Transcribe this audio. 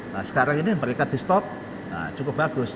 nah sekarang ini mereka di stop cukup bagus